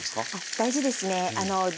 大事ですね。